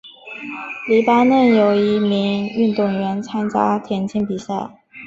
黎巴嫩有一名运动员参加田径比赛。